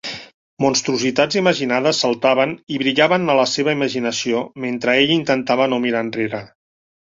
Monstruositats imaginades saltaven i brillaven a la seva imaginació mentre ell intentava no mirar enrere.